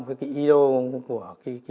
cái ý đồ của